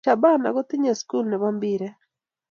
Shabana kotindo skul nebo mbiret